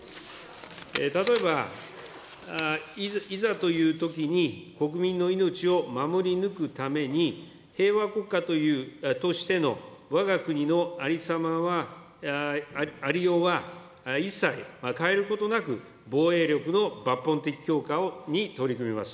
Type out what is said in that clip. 例えばいざというときに国民の命を守り抜くために、平和国家としてのわが国のありようは一切変えることなく、防衛力の抜本的強化に取り組みます。